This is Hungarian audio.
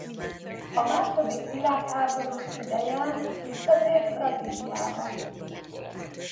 A második világháború ideján visszatért Brazíliába.